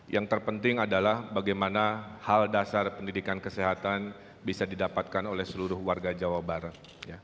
yang terpenting adalah bagaimana hal dasar pendidikan kesehatan bisa didapatkan oleh seluruh warga jawa barat